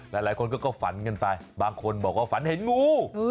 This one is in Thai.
หลายคนก็ฝันกันไปบางคนบอกว่าฝันเห็นงู